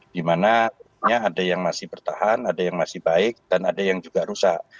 di mana ada yang masih bertahan ada yang masih baik dan ada yang juga rusak